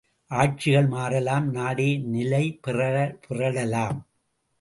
ஆட்சிகள் மாறலாம், நாடே நிலை பிறழலாம்.